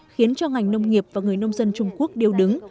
khiến cho ngành nông nghiệp và người nông dân trung quốc điêu đứng